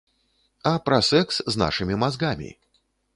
А пра сэкс з нашымі мазгамі.